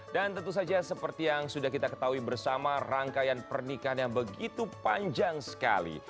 tentu saja seperti yang sudah kita ketahui bersama rangkaian pernikahan yang begitu panjang sekali